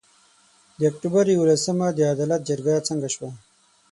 د اُکټوبر یولسمه د عدالت جرګه څنګه سوه؟